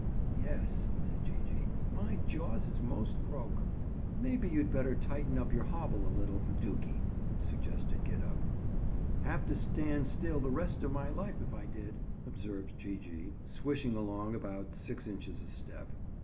"Yes," said Gee gee, "my jaws is most broke." "Maybe you'd better tighten up your hobble a little for dukie," suggested Gid up. "Have to stand still the rest of my life if I did," observed Gee gee, swishing along about six inches a step.